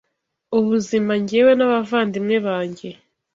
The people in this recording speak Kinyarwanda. ubuzima njyewe n’abavandimwe banjye,